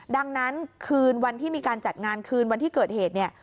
ดังนั้นคืนวันที่มีการจัดงานคืนวันที่เกิดเหตุเนี่ย